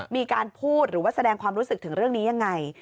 มีการพูดหรือว่าแสดงความรู้สึกถึงเรื่องนี้ยังไง